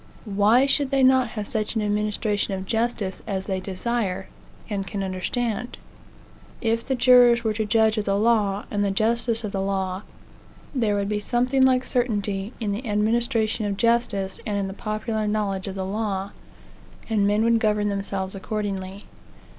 Why should they not have such an administration of justice as they desire, and can understand? If the jurors were to judge of the law, and the justice of the law, there would be something like certainty in the administration of justice, and in the popular knowledge of the law, and men would govern themselves accordingly.